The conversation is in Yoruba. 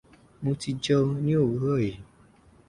Mo ti jẹun ní òwúrọ̀ yí.